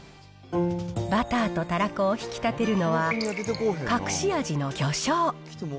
バターとたらこを引き立てるのは、隠し味の魚醤。